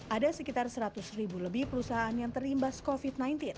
ada sekitar seratus ribu lebih perusahaan yang terimbas covid sembilan belas